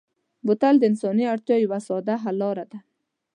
بوتل د انساني اړتیا یوه ساده حل لاره ده.